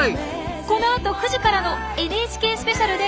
このあと９時からの「ＮＨＫスペシャル」で詳しくお伝えします。